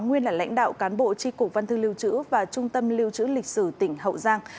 nguyên là lãnh đạo cán bộ tri cục văn thư lưu trữ và trung tâm lưu trữ lịch sử tỉnh hậu giang